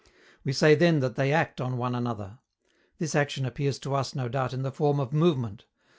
We say then that they act on one another. This action appears to us, no doubt, in the form of movement.